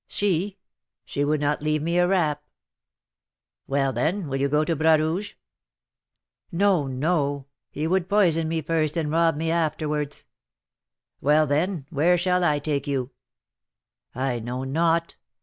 "She! she would not leave me a rap." "Well, then, will you go to Bras Rouge?" "No, no! He would poison me first and rob me afterwards." "Well, then, where shall I take you?" "I know not.